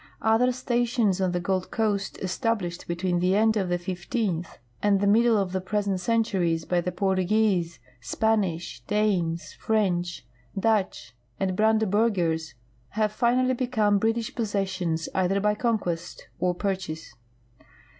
Other stations on the Gold coast, estaldished hetween the end of the fifteenth and the middle of the present centuries b\' the Portuguese, Spanish, Danes, French, Dutch, and Brandenburgers, have finally become British possessions either by conquest or purchase.